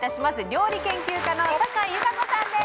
料理研究家のサカイ優佳子さんです。